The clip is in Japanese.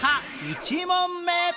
１問目